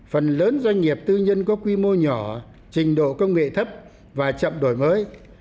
phần lớn doanh nghiệp tư nhân có quy mô nhỏ trình độ công nghệ thấp và chậm đổi mới